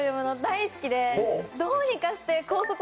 どうにかして。